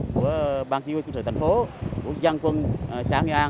của ban chí huy công sự thành phố của dân quân xã nghĩa an